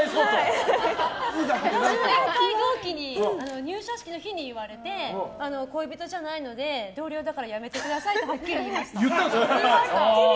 前１回、同期に入社式の日に言われて恋人じゃないので同僚だからやめてくださいってはっきり言いました。